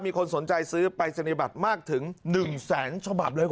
มีคนสนใจซื้อไปเสนียบัตรมากถึง๑แสนโชคบัตรเลยค่ะ